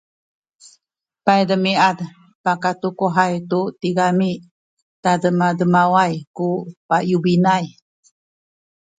paydemiad pakatukuhay tu tigami i tademademawan ku payubinay